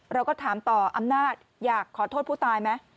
เราก็ถามต่ออำนาจอยากขอโทษผู้ตายไหม